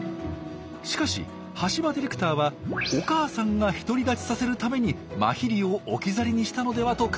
しかし橋場ディレクターはお母さんが独り立ちさせるためにマヒリを置き去りにしたのではと考えたんです。